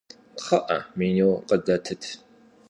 Кхъыӏэ, менюр къыдэтыт!